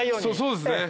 そうですね。